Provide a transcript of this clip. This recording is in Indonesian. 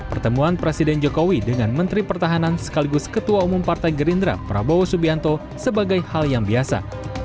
pertemuan presiden jokowi dengan menteri pertahanan sekaligus ketua umum partai gerindra prabowo subianto sebagai hal yang biasa